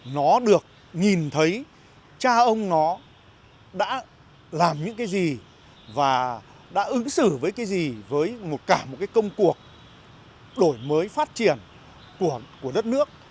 nó được nhìn thấy cha ông nó đã làm những cái gì và đã ứng xử với cái gì với cả một cái công cuộc đổi mới phát triển của đất nước